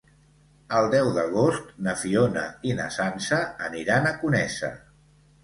El deu d'agost na Fiona i na Sança aniran a Conesa.